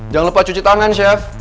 jangan lupa cuci tangan chef